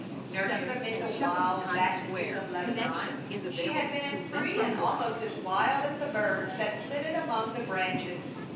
Nurtured amid the wild fastnesses of Lebanon, she had been as free and almost as wild as the birds that flitted among the branches.